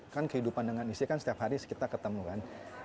kan kehidupan dengan istri kan setiap hari kita ketemu kan